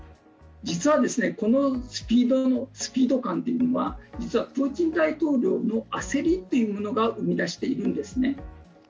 実はこのスピード感というのは実はプーチン大統領の焦りというものが生み出しているんですね。